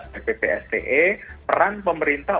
wp pste peran pemerintah